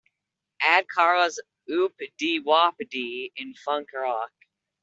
add carla's OopDeeWopDee in Funk Rock